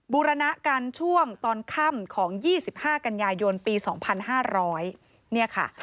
บูรณะกันช่วงตอนค่ำของ๒๕กันยายนปี๒๕๐๐เนี่ยค่ะ